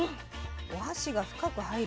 お箸が深く入る。